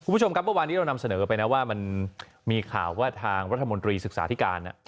คุณผู้ชมครับเมื่อวานนี้เรานำเสนอไปนะว่ามันมีข่าวว่าทางรัฐมนตรีศึกษาธิการ